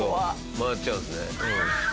回っちゃうんですね。